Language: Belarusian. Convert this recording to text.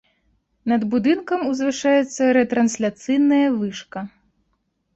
Над будынкам узвышаецца рэтрансляцыйная вышка.